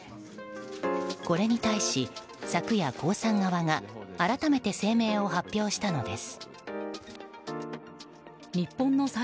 これに対し、昨夜、江さん側が改めて声明を発表したのです。